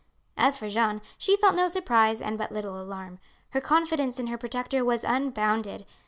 As for Jeanne, she felt no surprise and but little alarm. Her confidence in her protector was unbounded.